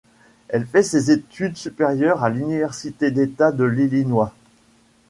Elle fait ses études supérieures à l'université d'État de l'Illinois.